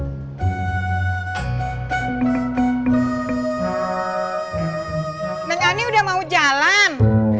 enggak enggak ini udah mau jalan